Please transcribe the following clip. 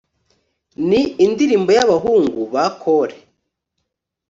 ni indirimbo y'abahungu ba kore